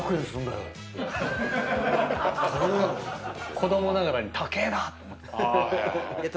子供ながらに高えな！と思った。